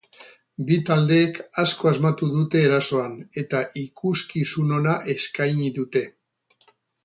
Bi taldeek asko asmatu dute erasoan, eta ikuskizun ona eskaini dute.